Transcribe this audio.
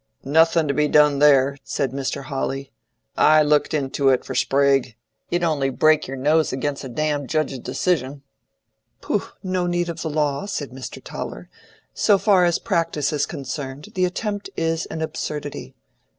"Nothing to be done there," said Mr. Hawley. "I looked into it for Sprague. You'd only break your nose against a damned judge's decision." "Pooh! no need of law," said Mr. Toller. "So far as practice is concerned the attempt is an absurdity.